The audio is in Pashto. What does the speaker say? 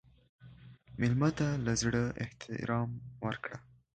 مېلمه ته له زړه احترام ورکړه.